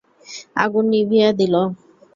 আগুন নিভিয়ে দিল।